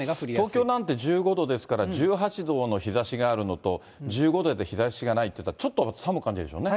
東京なんて１５度ですから、１８度の日ざしがあるのと、１５度で日ざしがないっていったらちょっと寒く感じるでしょうね。